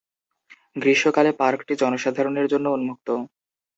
গ্রীষ্মকালে পার্কটি জনসাধারণের জন্য উন্মুক্ত।